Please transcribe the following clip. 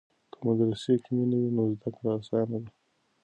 که مدرسې کې مینه وي نو زده کړه اسانه ده.